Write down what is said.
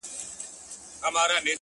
خپل ژوند د ارزښتمن هدف لپاره وکاروئ